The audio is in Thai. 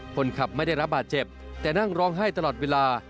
คนขับไม่ได้รับบาดเจ็บแต่นั่งร้องไห้ตลอดเวลา